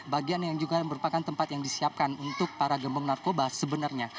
bagian yang juga merupakan tempat yang disiapkan untuk para gembong narkoba sebenarnya